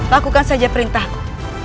lakukan saja perintahku